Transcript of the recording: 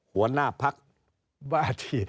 หัวหน้าภัคษณ์บาที